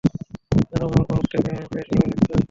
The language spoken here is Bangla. দানব হওয়ার পর উড়তে বেশ ভালোই লাগছে।